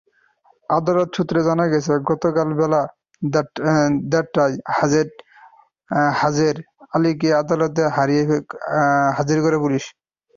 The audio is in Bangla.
আদালত সূত্রে জানা গেছে, গতকাল বেলা দেড়টায় হারেজ আলীকে আদালতে হাজির করে পুলিশ।